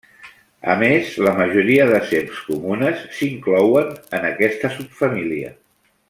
A més, la majoria de serps comunes s'inclouen en aquesta subfamília.